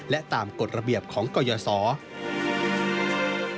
และตามกฎระเบียบของกรยศร